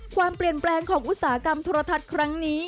ความเปลี่ยนแปลงของอุตสาหกรรมโทรทัศน์ครั้งนี้